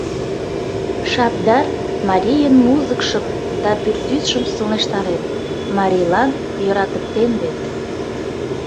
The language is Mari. Шабдар марийын музыкшым да пӱртӱсшым сылнештарен, марийлан йӧратыктен вет.